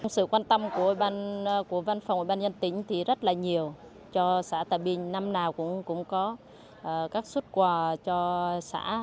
sự quan tâm của văn phòng ban nhân tỉnh thì rất là nhiều cho xã tà bình năm nào cũng có các xuất quà cho xã